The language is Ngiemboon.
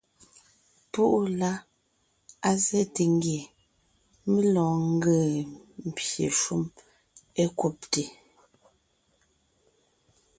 Púʼu la, á zɛ́te ngie mé lɔɔn ńgee pye shúm é kúbte.